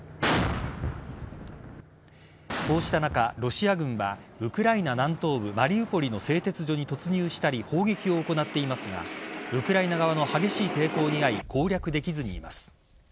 こうした中、ロシア軍はウクライナ南東部マリウポリの製鉄所に突入したり砲撃を行っていますがウクライナ側の激しい抵抗に遭い攻略できずにいます。